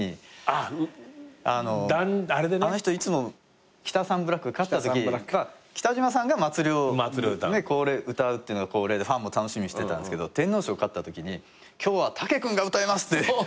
あの人いつもキタサンブラックが勝ったとき北島さんが『まつり』を歌うっていうのが恒例でファンも楽しみにしてたんですけど天皇賞勝ったときに「今日は武君が歌います」って。